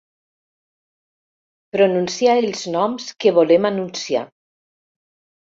Pronunciar els noms que volem anunciar.